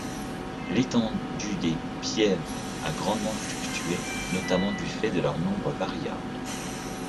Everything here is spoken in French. L'étendue des pièves a grandement fluctué, notamment du fait de leur nombre variable.